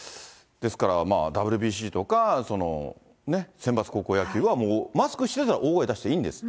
ですから、ＷＢＣとか、選抜高校野球はもうマスクしてたら大声出していいんですって。